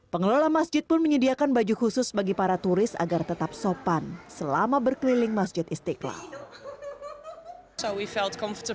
pengelola masjid pun menyediakan baju khusus bagi para turis agar tetap sopan selama berkeliling masjid istiqlal